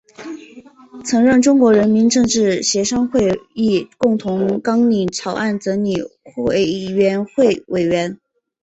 曾任中国人民政治协商会议共同纲领草案整理委员会委员。